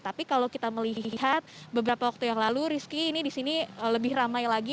tapi kalau kita melihat beberapa waktu yang lalu rizky ini di sini lebih ramai lagi